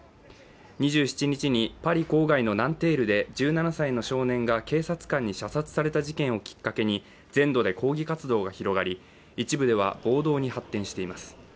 ２７日にパリ郊外のナンテールで１７歳の少年が警察官に射殺された事件をきっかけに、全土で抗議活動が広がり一部では暴動に発展しています。